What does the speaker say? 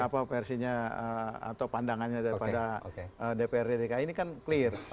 apa versinya atau pandangannya daripada dprd dki ini kan clear